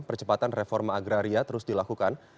percepatan reforma agraria terus dilakukan